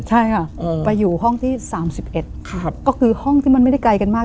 ใช่ค่ะไปอยู่ห้องที่สามสิบเอ็ดครับก็คือห้องที่มันไม่ได้ไกลกันมาก